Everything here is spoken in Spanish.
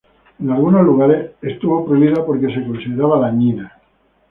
En algunos lugares estuvo prohibida porque se consideraba dañina.